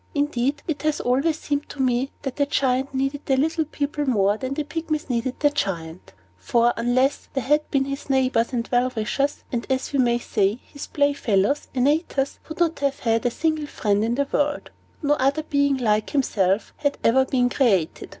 Indeed, it has always seemed to me that the Giant needed the little people more than the Pygmies needed the Giant. For, unless they had been his neighbors and well wishers, and, as we may say, his playfellows, Antaeus would not have had a single friend in the world. No other being like himself had ever been created.